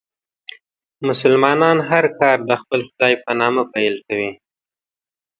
مسلمانان هر کار د خپل خدای په نامه پیل کوي.